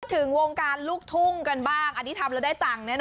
ถึงวงการลูกทุ่งกันบ้างอันนี้ทำแล้วได้ตังค์แน่นอ